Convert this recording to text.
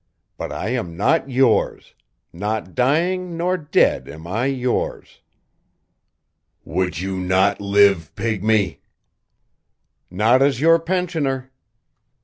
But I am not yours; not dying nor dead am I yours." "Would you not live, pygmy?" "Not as your pensioner."